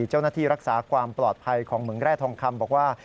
เจ้าหน้าที่รักษาความปลอดภัยของเหมืองแร่ทองคำบอกว่า